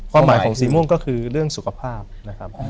ความหมายของสีม่วงก็คือเรื่องสุขภาพนะครับ